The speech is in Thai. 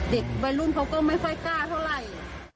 เด็กวัยรุ่นเขาก็ไม่ค่อยกล้าเท่าไหร่